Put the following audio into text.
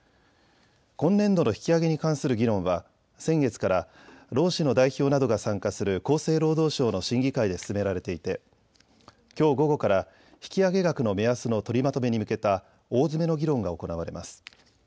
今年度の引き上げに関する議論は先月から労使の代表などが参加する厚生労働省の審議会で進められていてきょう午後から引き上げ額の目安の取りまとめに向けた大詰めの議論が行われます。